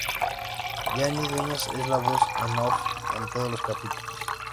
Jani Dueñas es la voz en off en todos los capítulos.